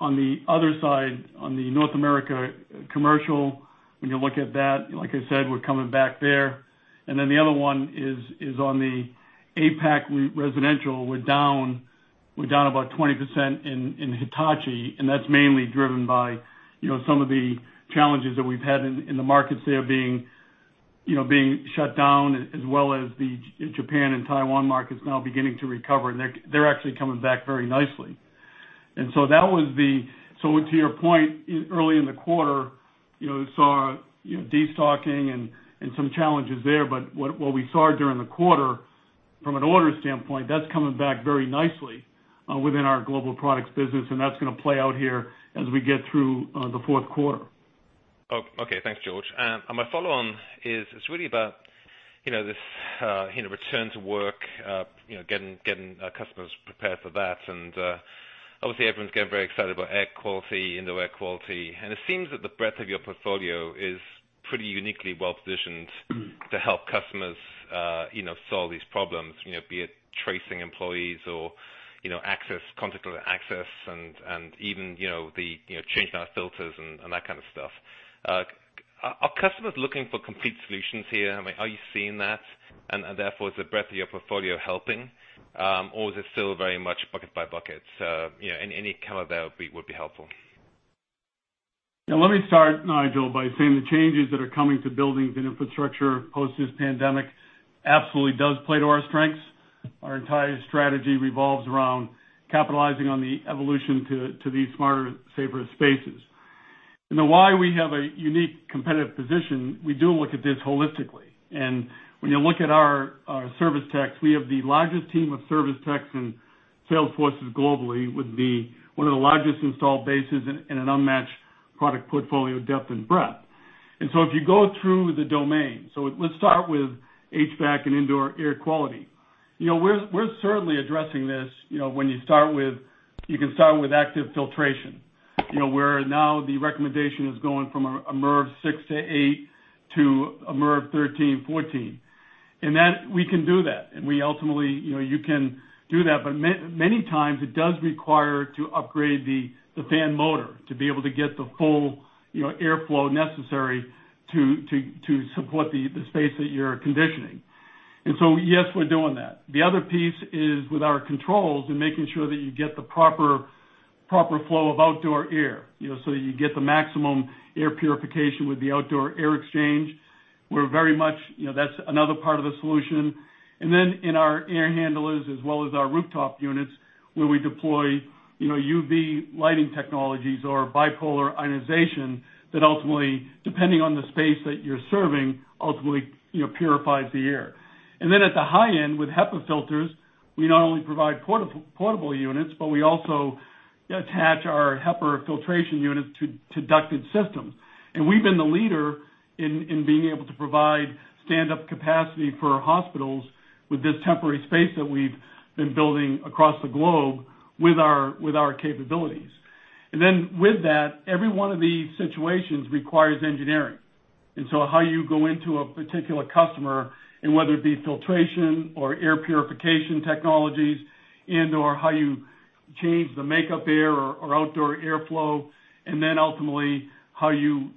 on the other side, on the North America commercial, when you look at that, like I said, we're coming back there. Then the other one is on the APAC residential, we're down about 20% in Hitachi, and that's mainly driven by some of the challenges that we've had in the markets there being shut down as well as the Japan and Taiwan markets now beginning to recover. They're actually coming back very nicely. To your point, early in the quarter, we saw de-stocking and some challenges there. What we saw during the quarter, from an orders standpoint, that's coming back very nicely within our Global Products business, and that's going to play out here as we get through the fourth quarter. Okay. Thanks, George. My follow-on is, it's really about this return to work, getting customers prepared for that. Obviously, everyone's getting very excited about air quality, indoor air quality. It seems that the breadth of your portfolio is pretty uniquely well-positioned to help customers solve these problems, be it tracing employees or controlled access and even the change of our filters and that kind of stuff. Are customers looking for complete solutions here? Are you seeing that? Therefore, is the breadth of your portfolio helping? Is it still very much bucket-by-bucket? Any color there would be helpful. Let me start, Nigel, by saying the changes that are coming to buildings and infrastructure post this pandemic absolutely does play to our strengths. Our entire strategy revolves around capitalizing on the evolution to these smarter, safer spaces. Why we have a unique competitive position, we do look at this holistically. When you look at our service techs, we have the largest team of service techs and sales forces globally with one of the largest install bases and an unmatched product portfolio depth and breadth. If you go through the domain, so let's start with HVAC and indoor air quality. We're certainly addressing this. You can start with active filtration, where now the recommendation is going from a MERV 6-8 to a MERV 13-14. We can do that. You can do that, but many times it does require to upgrade the fan motor to be able to get the full airflow necessary to support the space that you're conditioning. The other piece is with our controls and making sure that you get the proper flow of outdoor air, so you get the maximum air purification with the outdoor air exchange. That's another part of the solution. In our air handlers as well as our rooftop units, where we deploy UV lighting technologies or bipolar ionization that ultimately, depending on the space that you're serving, ultimately purifies the air. At the high end with HEPA filters, we not only provide portable units, but we also attach our HEPA filtration units to ducted systems. We've been the leader in being able to provide stand-up capacity for hospitals with this temporary space that we've been building across the globe with our capabilities. With that, every one of these situations requires engineering. How you go into a particular customer and whether it be filtration or air purification technologies and/or how you change the makeup air or outdoor airflow, then ultimately how you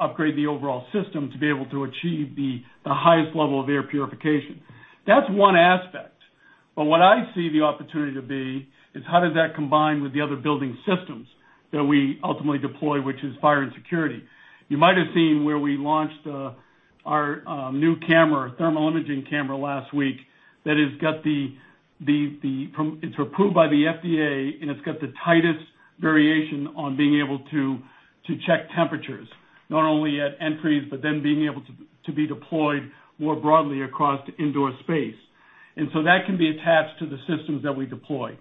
upgrade the overall system to be able to achieve the highest level of air purification. That's one aspect. What I see the opportunity to be is how does that combine with the other building systems that we ultimately deploy, which is fire and security. You might have seen where we launched our new thermal imaging camera last week that it's approved by the FDA, and it's got the tightest variation on being able to check temperatures, not only at entries, but then being able to be deployed more broadly across indoor space. That can be attached to the systems that we deploy.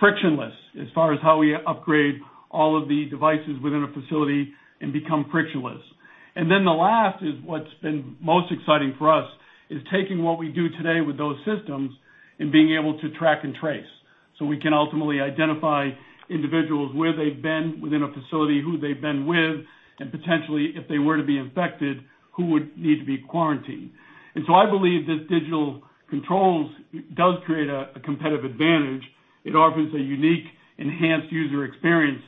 Frictionless as far as how we upgrade all of the devices within a facility and become frictionless. The last is what's been most exciting for us is taking what we do today with those systems and being able to track and trace. We can ultimately identify individuals, where they've been within a facility, who they've been with, and potentially, if they were to be infected, who would need to be quarantined. I believe that digital controls does create a competitive advantage. It offers a unique, enhanced user experience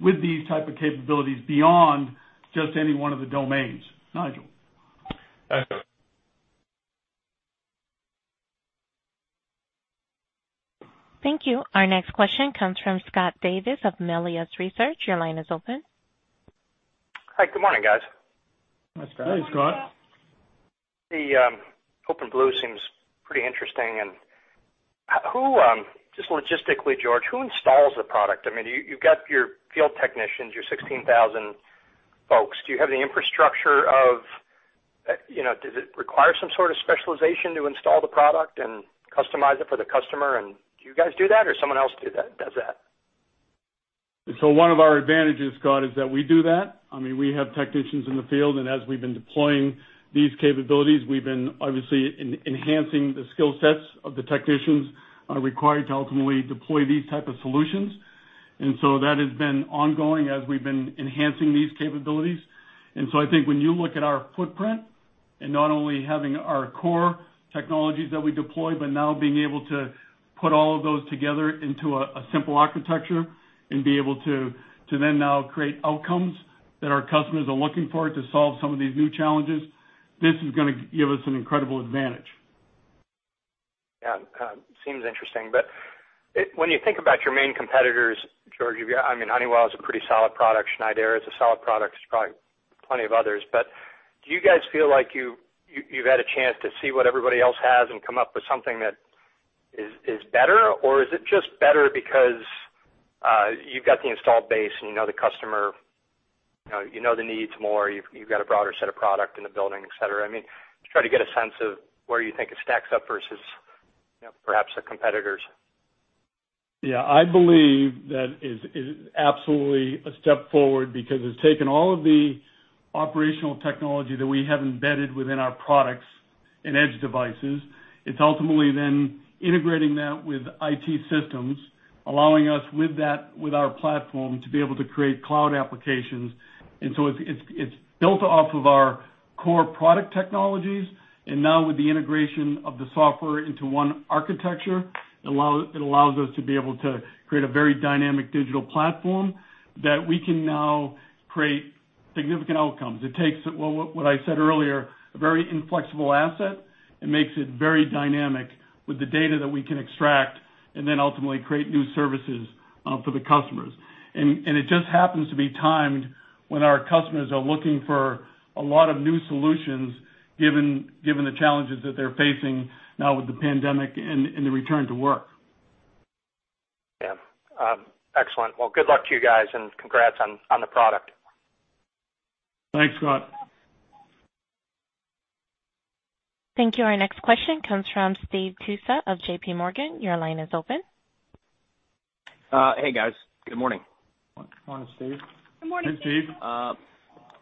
with these type of capabilities beyond just any one of the domains, Nigel. Okay. Thank you. Our next question comes from Scott Davis of Melius Research. Your line is open. Hi, good morning, guys. Hi, Scott. Good morning, Scott. The OpenBlue seems pretty interesting. Just logistically, George, who installs the product? You've got your field technicians, your 16,000 folks. Do you have the infrastructure does it require some sort of specialization to install the product and customize it for the customer? Do you guys do that or someone else does that? One of our advantages, Scott, is that we do that. We have technicians in the field, and as we've been deploying these capabilities, we've been obviously enhancing the skill sets of the technicians required to ultimately deploy these type of solutions. That has been ongoing as we've been enhancing these capabilities. I think when you look at our footprint and not only having our core technologies that we deploy, but now being able to put all of those together into a simple architecture and be able to then now create outcomes that our customers are looking for to solve some of these new challenges, this is going to give us an incredible advantage. Yeah. Seems interesting. When you think about your main competitors, George, Honeywell is a pretty solid product. Schneider is a solid product. There's probably plenty of others. Do you guys feel like you've had a chance to see what everybody else has and come up with something that is better? Or is it just better because you've got the install base and you know the customer the needs more, you've got a broader set of product in the building, et cetera. I just try to get a sense of where you think it stacks up versus perhaps the competitors. Yeah, I believe that is absolutely a step forward because it's taken all of the operational technology that we have embedded within our products and Edge devices. It's ultimately then integrating that with IT systems, allowing us with our platform to be able to create cloud applications. It's built off of our core product technologies, and now with the integration of the software into one architecture, it allows us to be able to create a very dynamic digital platform that we can now create significant outcomes. It takes, what I said earlier, a very inflexible asset and makes it very dynamic with the data that we can extract, and then ultimately create new services for the customers. It just happens to be timed when our customers are looking for a lot of new solutions, given the challenges that they're facing now with the pandemic and the return to work. Yeah. Excellent. Well, good luck to you guys and congrats on the product. Thanks, Scott. Thank you. Our next question comes from Steve Tusa of JPMorgan. Your line is open. Hey, guys. Good morning. Morning, Steve. Good morning. Hey, Steve.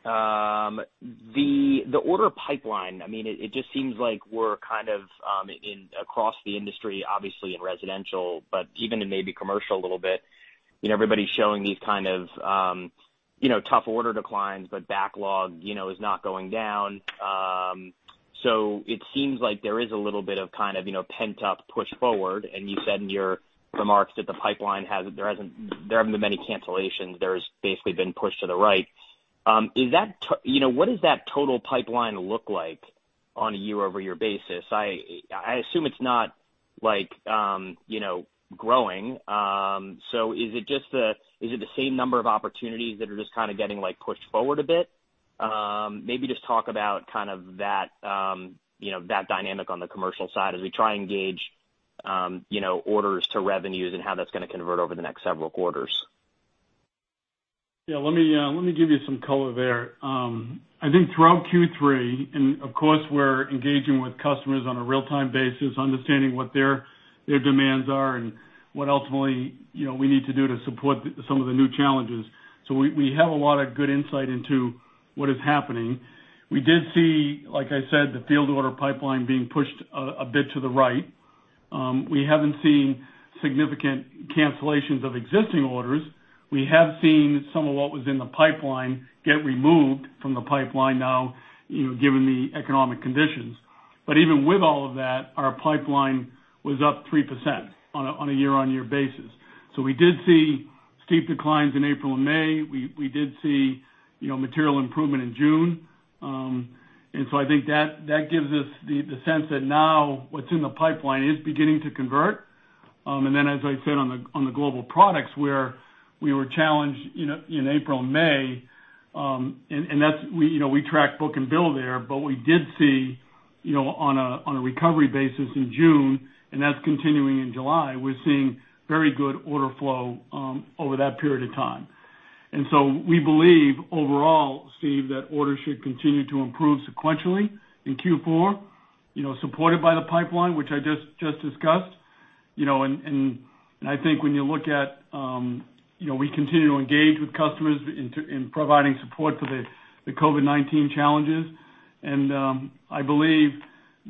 The order pipeline, it just seems like we're kind of across the industry, obviously in residential, but even in maybe commercial a little bit, everybody's showing these kind of tough order declines, but backlog is not going down. It seems like there is a little bit of kind of pent-up push forward, and you said in your remarks that the pipeline, there haven't been many cancellations. There's basically been pushed to the right. What does that total pipeline look like on a year-over-year basis? I assume it's not growing. Is it the same number of opportunities that are just kind of getting pushed forward a bit? Maybe just talk about that dynamic on the commercial side as we try and gauge orders to revenues and how that's going to convert over the next several quarters. Let me give you some color there. I think throughout Q3, and of course, we're engaging with customers on a real-time basis, understanding what their demands are and what ultimately we need to do to support some of the new challenges. We have a lot of good insight into what is happening. We did see, like I said, the field order pipeline being pushed a bit to the right. We haven't seen significant cancellations of existing orders. We have seen some of what was in the pipeline get removed from the pipeline now, given the economic conditions. Even with all of that, our pipeline was up 3% on a year-on-year basis. We did see steep declines in April and May. We did see material improvement in June. I think that gives us the sense that now what's in the pipeline is beginning to convert. As I said on the Global Products, where we were challenged in April and May, we track book and bill there, but we did see on a recovery basis in June, and that's continuing in July. We're seeing very good order flow over that period of time. We believe overall, Steve, that orders should continue to improve sequentially in Q4, supported by the pipeline, which I just discussed. When you look at we continue to engage with customers in providing support for the COVID-19 challenges.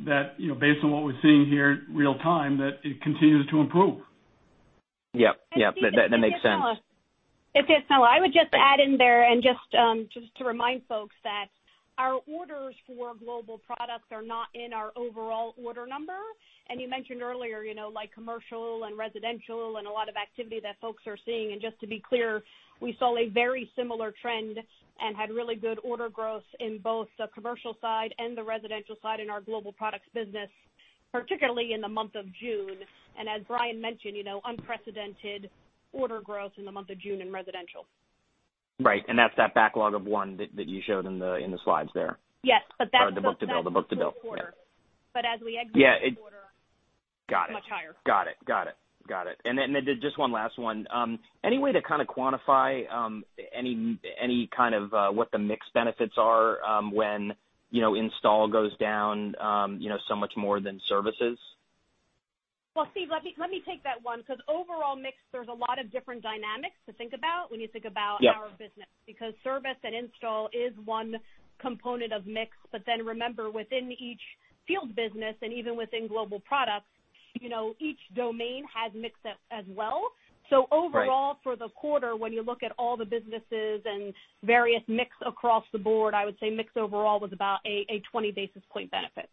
That based on what we're seeing here in real time, that it continues to improve. Yep. That makes sense. Steve Tusa, this is Nella. I would just add in there and just to remind folks that our orders for Global Products are not in our overall order number. You mentioned earlier, commercial and residential and a lot of activity that folks are seeing. Just to be clear, we saw a very similar trend and had really good order growth in both the commercial side and the residential side in our Global Products business, particularly in the month of June. As Brian mentioned, unprecedented order growth in the month of June in residential. Right. That's that backlog of one that you showed in the slides there? Yes, but that's. The book to bill. That's the full quarter. As we exit the quarter. Yeah. Got it. Much higher. Got it. Just one last one. Any way to kind of quantify any kind of what the mix benefits are when Install goes down so much more than Services? Well, Steve, let me take that one because overall mix, there's a lot of different dynamics to think about our business, because Service and Install is one component of mix. Remember, within each field business and even within Global Products, each domain has mix as well. Overall, for the quarter, when you look at all the businesses and various mix across the board, I would say mix overall was about a 20 basis point benefit.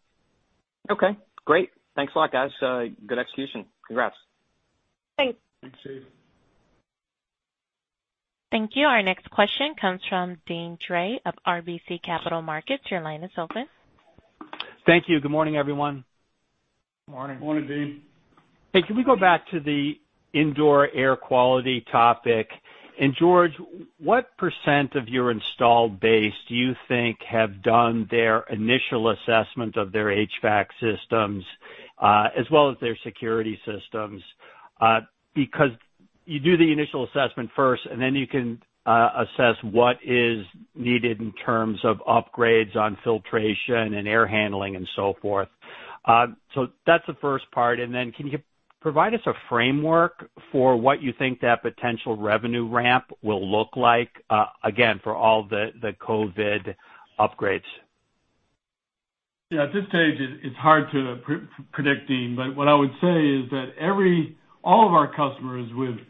Okay, great. Thanks a lot, guys. Good execution. Congrats. Thanks. Thanks, Steve. Thank you. Our next question comes from Deane Dray of RBC Capital Markets. Your line is open. Thank you. Good morning, everyone. Morning. Morning. Morning, Deane. Hey, can we go back to the indoor air quality topic? George, what percent of your installed base do you think have done their initial assessment of their HVAC systems, as well as their security systems? You do the initial assessment first, and then you can assess what is needed in terms of upgrades on filtration and air handling and so forth. That's the first part, and then can you provide us a framework for what you think that potential revenue ramp will look like, again, for all the COVID upgrades? Yeah. At this stage, it's hard to predict, Deane, what I would say is that all of our customers would.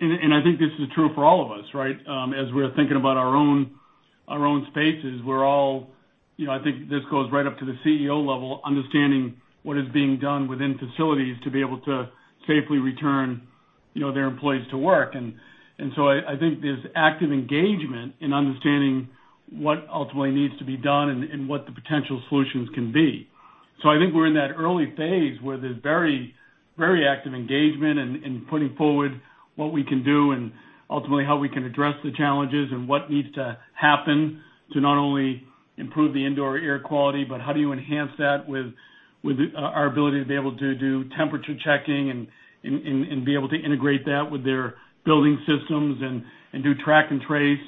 I think this is true for all of us, right? As we're thinking about our own spaces, we're all, I think this goes right up to the CEO level, understanding what is being done within facilities to be able to safely return their employees to work. I think there's active engagement in understanding what ultimately needs to be done and what the potential solutions can be. I think we're in that early phase where there's very active engagement in putting forward what we can do and ultimately how we can address the challenges and what needs to happen to not only improve the indoor air quality, but how do you enhance that with our ability to be able to do temperature checking and be able to integrate that with their building systems and do track and trace.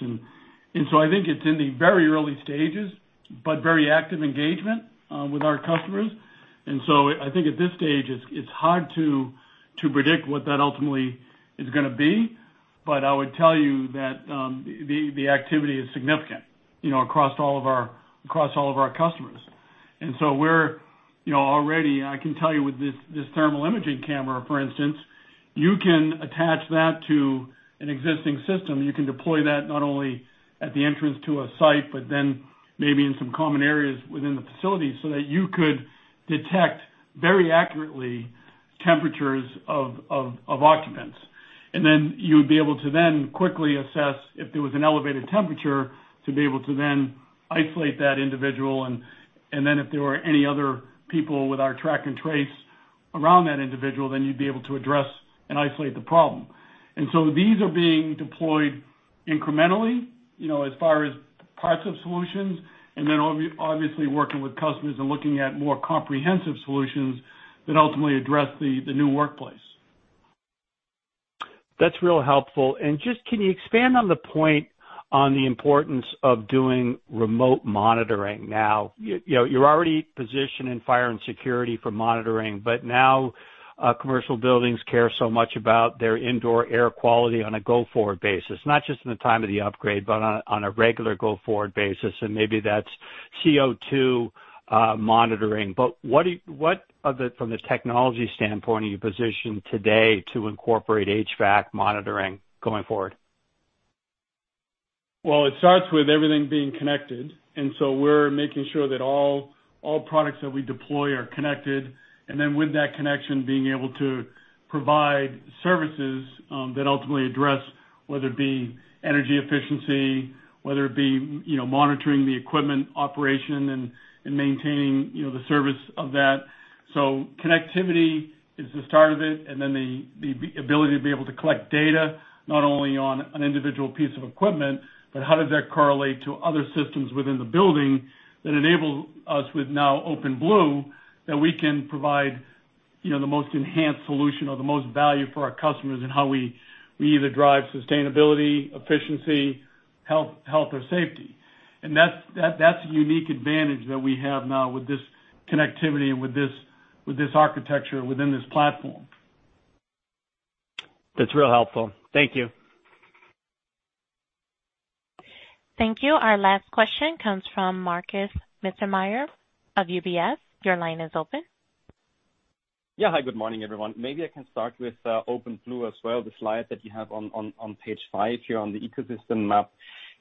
I think it's in the very early stages, but very active engagement with our customers. I think at this stage, it's hard to predict what that ultimately is going to be. But I would tell you that the activity is significant across all of our customers. We're already, I can tell you with this thermal imaging camera, for instance, you can attach that to an existing system. You can deploy that not only at the entrance to a site, but then maybe in some common areas within the facility so that you could detect very accurately temperatures of occupants. You would be able to then quickly assess if there was an elevated temperature to be able to then isolate that individual and then if there were any other people with our track and trace around that individual, then you'd be able to address and isolate the problem. These are being deployed incrementally, as far as parts of solutions, and then obviously working with customers and looking at more comprehensive solutions that ultimately address the new workplace. That's real helpful. Just can you expand on the point on the importance of doing remote monitoring now? You're already positioned in fire and security for monitoring, but now commercial buildings care so much about their indoor air quality on a go-forward basis, not just in the time of the upgrade, but on a regular go-forward basis. Maybe that's CO₂ monitoring. What, from the technology standpoint, are you positioned today to incorporate HVAC monitoring going forward? Well, it starts with everything being connected, and so we're making sure that all products that we deploy are connected. With that connection, being able to provide services that ultimately address whether it be energy efficiency, whether it be monitoring the equipment operation, and maintaining the service of that. Connectivity is the start of it, and then the ability to be able to collect data not only on an individual piece of equipment, but how does that correlate to other systems within the building that enable us with now OpenBlue that we can provide the most enhanced solution or the most value for our customers in how we either drive sustainability, efficiency, health, or safety. That's a unique advantage that we have now with this connectivity and with this architecture within this platform. That's real helpful. Thank you. Thank you. Our last question comes from Markus Mittermaier of UBS. Your line is open. Yeah. Hi, good morning, everyone. Maybe I can start with OpenBlue as well, the slide that you have on page five here on the ecosystem map.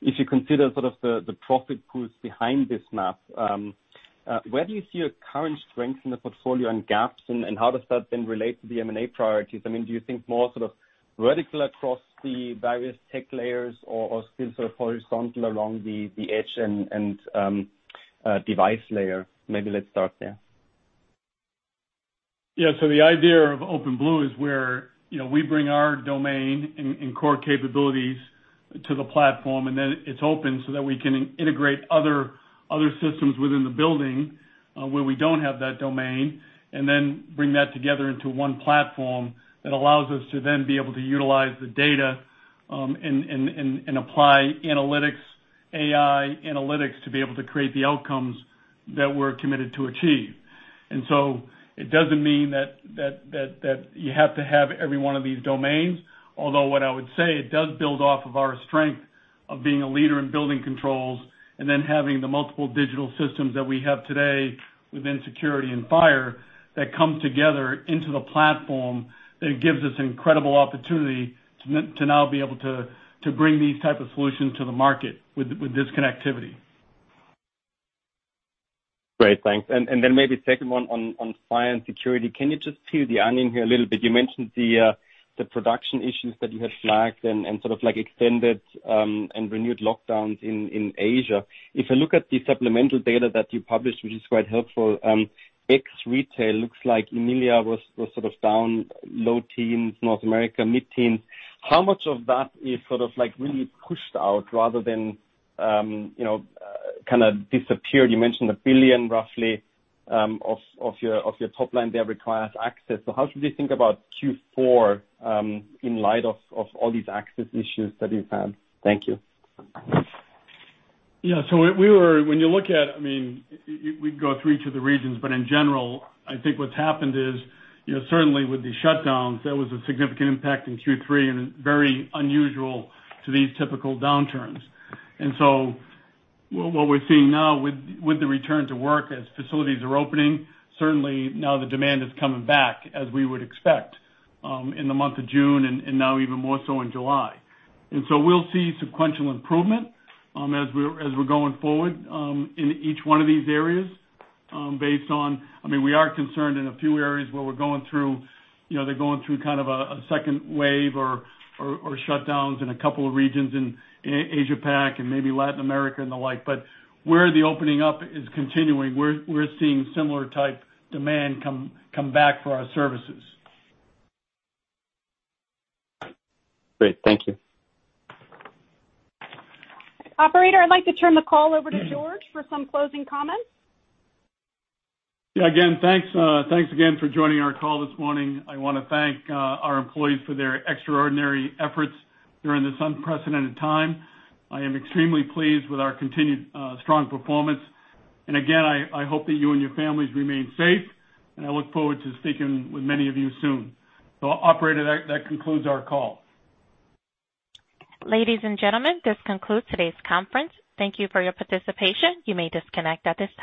If you consider sort of the profit pools behind this map, where do you see a current strength in the portfolio and gaps and how does that then relate to the M&A priorities? I mean, do you think more sort of vertical across the various tech layers or still sort of horizontal along the edge and device layer? Maybe let's start there. The idea of OpenBlue is where we bring our domain and core capabilities to the platform, and then it's open so that we can integrate other systems within the building, where we don't have that domain, and then bring that together into one platform that allows us to then be able to utilize the data, and apply AI analytics to be able to create the outcomes that we're committed to achieve. It doesn't mean that you have to have every one of these domains. Although what I would say, it does build off of our strength of being a leader in building controls and then having the multiple digital systems that we have today within security and fire that come together into the platform that gives us incredible opportunity to now be able to bring these type of solutions to the market with this connectivity. Great. Thanks. Maybe second one on fire and security. Can you just peel the onion here a little bit? You mentioned the production issues that you had flagged and sort of extended, and renewed lockdowns in Asia. If I look at the supplemental data that you published, which is quite helpful, ex retail looks like EMEIA was sort of down low teens, North America, mid-teens. How much of that is sort of really pushed out rather than kind of disappeared? You mentioned $1 billion roughly, of your top line there requires access. How should we think about Q4, in light of all these access issues that you've had? Thank you. When you look at, I mean, we can go through each of the regions, in general, I think what's happened is, certainly with the shutdowns, there was a significant impact in Q3 and very unusual to these typical downturns. What we're seeing now with the return to work as facilities are opening, certainly now the demand is coming back as we would expect, in the month of June and now even more so in July. We'll see sequential improvement as we're going forward, in each one of these areas, based on, I mean, we are concerned in a few areas where we're going through kind of a second wave or shutdowns in a couple of regions in Asia-Pac and maybe Latin America and the like. Where the opening up is continuing, we're seeing similar type demand come back for our services. Great. Thank you. Operator, I'd like to turn the call over to George for some closing comments. Yeah, again, thanks again for joining our call this morning. I want to thank our employees for their extraordinary efforts during this unprecedented time. I am extremely pleased with our continued strong performance. Again, I hope that you and your families remain safe, and I look forward to speaking with many of you soon. Operator, that concludes our call. Ladies and gentlemen, this concludes today's conference. Thank you for your participation. You may disconnect at this time.